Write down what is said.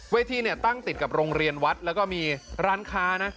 ทีเนี่ยตั้งติดกับโรงเรียนวัดแล้วก็มีร้านค้านะ